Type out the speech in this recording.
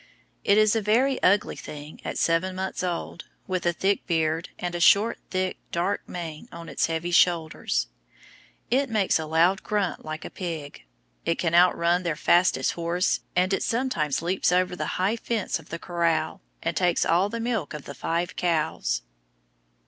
It is a very ugly thing at seven months old, with a thick beard, and a short, thick, dark mane on its heavy shoulders. It makes a loud grunt like a pig. It can outrun their fastest horse, and it sometimes leaps over the high fence of the corral, and takes all the milk of five cows.